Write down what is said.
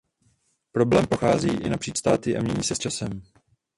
Problém prochází i napříč státy a mění se i s časem.